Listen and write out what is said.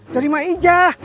dari ma ijah